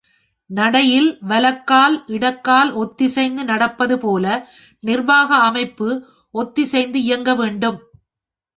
நடையில் வலக்கால் இடக்கால் ஒத்திசைந்து நடப்பதுபோல, நிர்வாக அமைப்பு ஒத்திசைந்து இயங்கவேண்டும்.